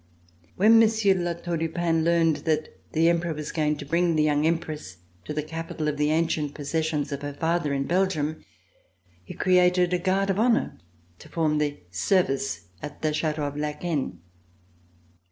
When Monsieur de La Tour du Pin learned that the Emperor was going to bring the young Empress to the capital of the ancient possessions of her father in Belgium, he created a Guard of Honor to form the service at the Chateau of Laeken.